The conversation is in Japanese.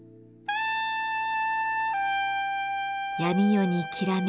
闇夜にきらめく